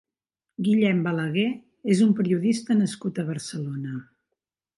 Guillem Balagué és un periodista nascut a Barcelona.